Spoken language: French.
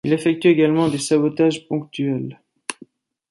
Il effectue également des sabotages ponctuels.